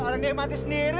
orang dia mati sendiri